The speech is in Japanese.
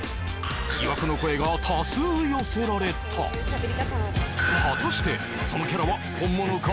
疑惑の声が多数寄せられた果たしてそのキャラは本物か？